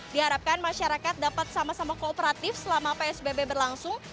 diharapkan masyarakat dapat sama sama kooperatif selama psbb berlangsung